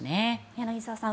柳澤さん